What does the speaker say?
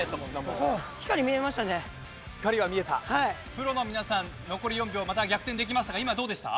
プロの皆さん残り４秒また逆転できましたが今どうでした？